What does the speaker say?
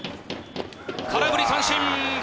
空振り三振。